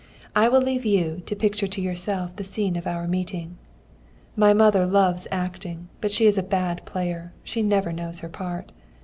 I will leave you to picture to yourself the scene of our meeting. My mother loves acting, but she is a bad player, she never knows her part.